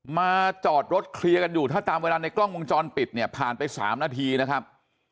มาจอดรถเคลียร์กันอยู่ถ้าตามเวลาในกล้องวงจรปิดเนี่ยผ่านไป๓นาทีนะครับ